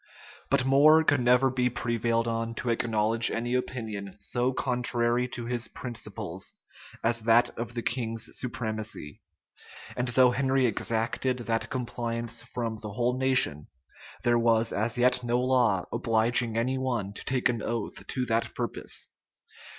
But More could never be prevailed on to acknowledge any opinion so contrary to his principles as that of the king's supremacy; and though Henry exacted that compliance from the whole nation, there was as yet no law obliging any one to take an oath to that purpose.